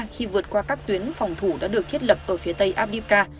khi vượt qua các tuyến phòng thủ đã được thiết lập ở phía tây abdica